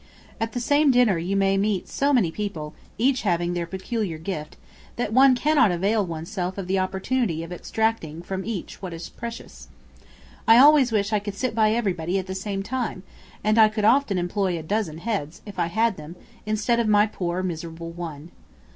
At the same dinner you may meet so many people, each having their peculiar gift, that one cannot avail oneself of the opportunity of extracting from each what is precious. I always wish I could sit by everybody at the same time, and I could often employ a dozen heads, if I had them, instead of my poor, miserable one.